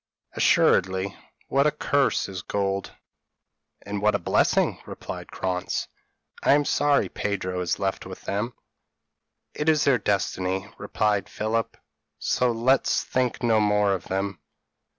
p> "Assuredly: what a curse is gold!" "And what a blessing!" replied Krantz. "I am sorry Pedro is left with them." "It is their destiny," replied Philip; "so let's think no more of them.